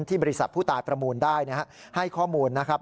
บริษัทผู้ตายประมูลได้ให้ข้อมูลนะครับ